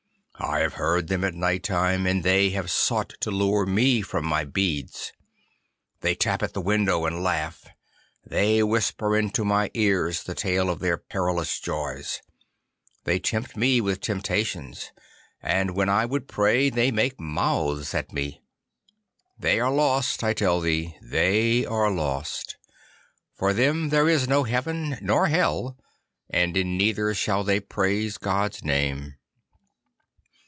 I have heard them at night time, and they have sought to lure me from my beads. They tap at the window, and laugh. They whisper into my ears the tale of their perilous joys. They tempt me with temptations, and when I would pray they make mouths at me. They are lost, I tell thee, they are lost. For them there is no heaven nor hell, and in neither shall they praise God's name.